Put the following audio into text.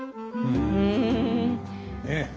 うん。ねえ。